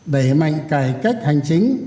để mạnh cải cách hành trình